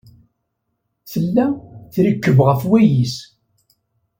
Tella trekkeb ɣef wayis.